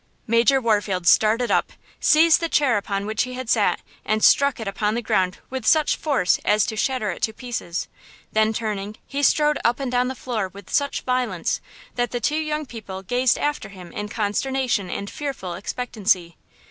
Major Warfield started up, seized the chair upon which he had sat and struck it upon the ground with such force as to shatter it to pieces; then turning, he strode up and down the floor with such violence that the two young people gazed after him in consternation and fearful expectancy.